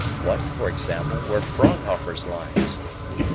What, for example, were Fraunhofer's lines?